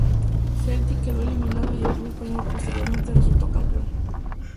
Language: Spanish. Celtic quedó eliminado y el club español posteriormente resultó campeón.